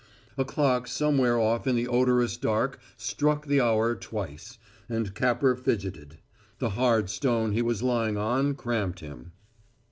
A clock somewhere off in the odorous dark struck the hour twice, and Capper fidgeted. The hard stone he was lying on cramped him.